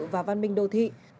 và văn minh đô thị